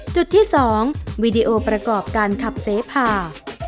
จุดที่๒วีดีโอประกอบการขับเสพา